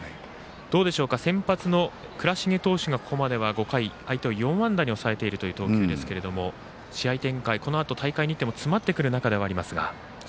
先発の倉重投手がここまで５回相手を４安打に抑えているという投球ですけれども試合展開、このあと大会日程も詰まってくる中ではありますが。